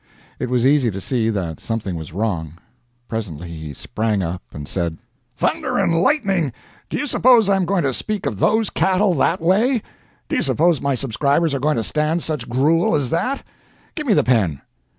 It was easy to see that something was wrong. Presently he sprang up and said: "Thunder and lightning! Do you suppose I am going to speak of those cattle that way? Do you suppose my subscribers are going to stand such gruel as that? Give me the pen!"